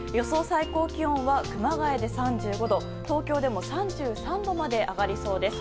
最高気温は熊谷で３５度東京でも３３度まで上がりそうです。